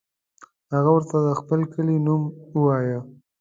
هغه ورته د خپل کلي نوم ووایه.